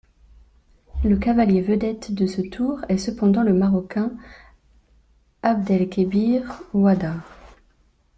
Le cavalier vedette de ce tour est cependant le Marocain Abdelkebir Ouaddar.